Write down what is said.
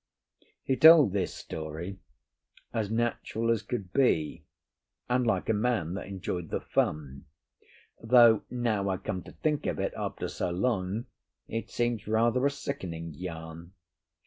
He told this story as natural as could be, and like a man that enjoyed the fun; though, now I come to think of it after so long, it seems rather a sickening yarn.